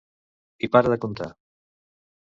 I para de contar.